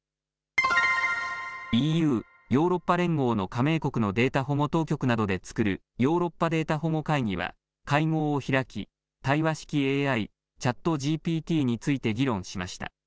ＥＵ・ヨーロッパ連合の加盟国のデータ保護当局などで作るヨーロッパデータ保護会議は会合を開き対話式ＡＩ、ＣｈａｔＧＰＴについて議論しました。